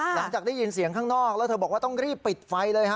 หลังจากได้ยินเสียงข้างนอกแล้วเธอบอกว่าต้องรีบปิดไฟเลยฮะ